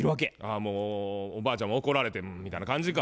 あもうおばあちゃんは怒られて「うん」みたいな感じか。